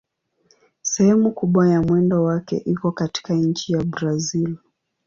Sehemu kubwa ya mwendo wake iko katika nchi ya Brazil.